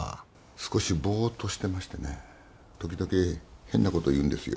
少しぼーっとしてましてね時々変なことを言うんですよ。